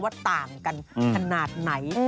ต่างกันขนาดไหน